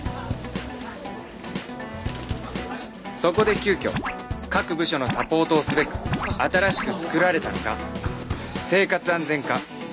そこで急きょ各部署のサポートをすべく新しく作られたのが生活安全課総務２係